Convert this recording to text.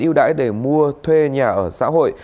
ưu đãi để mua thuê nhà ở xã hội